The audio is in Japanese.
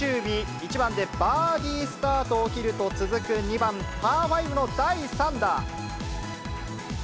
１番でバーディースタートを切ると、続く２番、パー５の第３打。